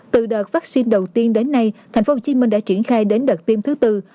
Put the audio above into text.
từ đợt vaccine đầu tiên đến nay tp hcm đã triển khai đến đợt tiêm thứ tư